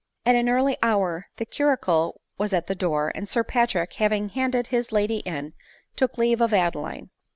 At an early hour the curricle was at the door, and Sir Patrick, haying handed his lady in, took leave of Adeline.